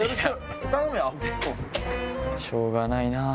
しょうがないなぁ。